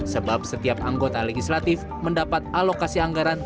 sebab setiap anggota legislatif mendapat alokasi anggaran